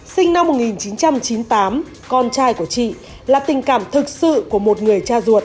sinh năm một nghìn chín trăm chín mươi tám con trai của chị